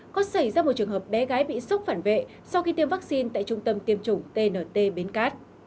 có xảy ra một trường hợp bé gái bị sốc phản vệ sau khi tiêm vaccine tại trung tâm tiêm chủng tnt bến cát